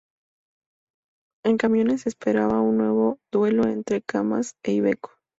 En camiones se esperaba un nuevo duelo entre Kamaz e Iveco.